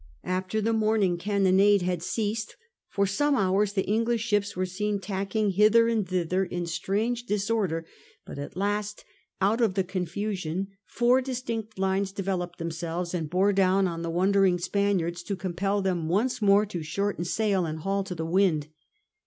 After the morning cannonade had ceased, for some hours the English ships were seen tacking hither and thither in strange disorder ; but at last, out of the confusion, four distinct lines developed themselves and bore down on the wondering Spaniards to compel them once more to shorten sail and haul to the wind.